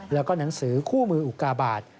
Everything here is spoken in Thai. แล้วก็หนังสือคู่มืออุกาบาท